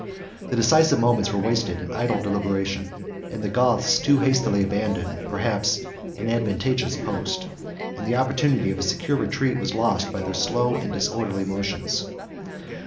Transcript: The decisive moments were wasted in idle deliberation the Goths too hastily abandoned, perhaps, an advantageous post; and the opportunity of a secure retreat was lost by their slow and disorderly motions.